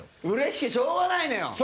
うれしくてしょうがないのよ。